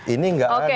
ini tidak ada oke oke